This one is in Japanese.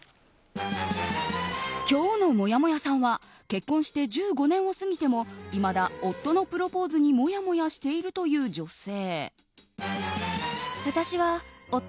今日のもやもやさんは結婚して１５年を過ぎてもいまだ夫のプロポーズにもやもやしているという女性。